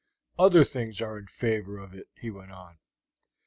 "Other things are in favor of it," he went on.